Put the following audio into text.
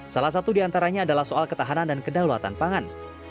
salah satu diantaranya adalah soal ketahanan dan kedaulatan pangan